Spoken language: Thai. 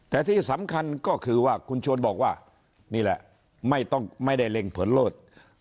แต่ที่สำคัญก็คือว่าคุณชวนบอกว่านี่แหละไม่ได้เร่งเผินโลศ